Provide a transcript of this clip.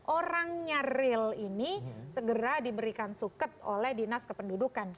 orangnya real ini segera diberikan suket oleh dinas kependudukan